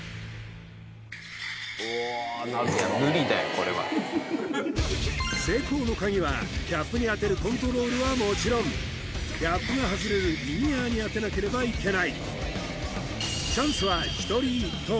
これは成功のカギはキャップに当てるコントロールはもちろんキャップが外れる右側に当てなければいけないチャンスは１人１投